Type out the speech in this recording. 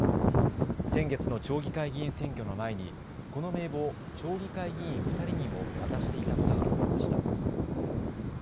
先月の町議会議員選挙の前にこの名簿を町議会議員２人にも渡していたことが分かりました。